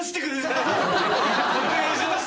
お願いします。